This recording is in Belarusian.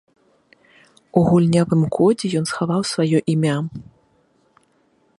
У гульнявым кодзе ён схаваў сваё імя.